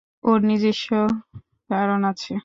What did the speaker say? ওর নিজস্ব কারণ আছে।